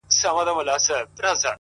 ښه ملګری پټه شتمني ده.!